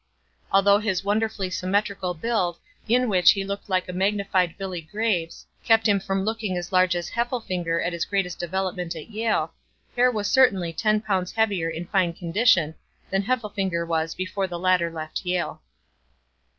Although his wonderfully symmetrical build, in which he looked like a magnified Billy Graves, kept him from looking as large as Heffelfinger at his greatest development at Yale, Hare was certainly ten pounds heavier in fine condition than Heffelfinger was before the latter left Yale."